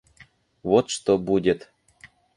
Вот что будет.